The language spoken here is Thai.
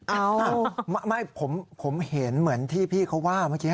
อ้าวไม่ผมเห็นเหมือนที่พี่เขาว่าเมื่อกี้